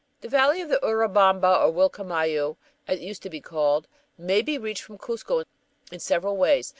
The valley of the Urubamba, or Uilcamayu, as it used to be called, may be reached from Cuzco in several ways.